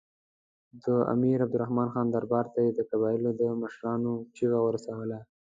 د امیر عبدالرحمن خان دربار ته یې د قبایلو د مشرانو چیغه ورسوله.